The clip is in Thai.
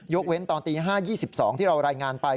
เว้นตอนตี๕๒๒ที่เรารายงานไป